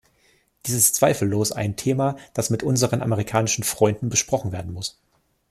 Dies ist zweifellos ein Thema, das mit unseren amerikanischen Freunden besprochen werden muss.